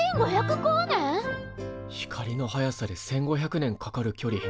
光の速さで１，５００年かかる距離。